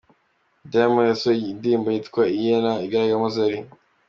Diamond yasohoye indirimbo yitwa ‘Iyena’ igaragaramo Zari.